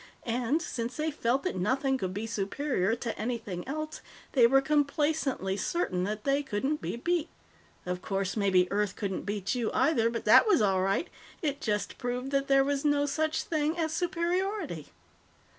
And, since they felt that nothing could be superior to anything else, they were complacently certain that they couldn't be beat. Of course, maybe Earth couldn't beat you, either, but that was all right; it just proved that there was no such thing as superiority.